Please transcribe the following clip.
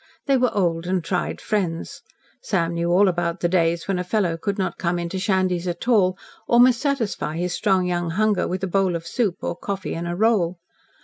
They were old and tried friends. Sam knew all about the days when a fellow could not come into Shandy's at all, or must satisfy his strong young hunger with a bowl of soup, or coffee and a roll.